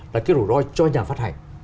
là cái rủi ro cho nhà phát hành